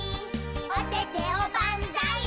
「おててをばんざーい」